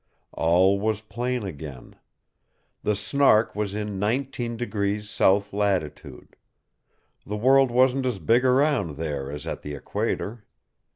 All was plain again. The Snark was in 19° south latitude. The world wasn't as big around there as at the equator.